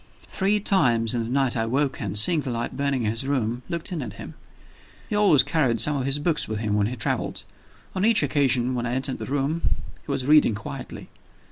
Three times in the night I woke, and, seeing the light burning in his room, looked in at him. He always carried some of his books with him when he traveled. On each occasion when I entered the room, he was reading quietly.